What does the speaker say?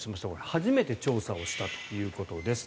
初めて調査をしたということです。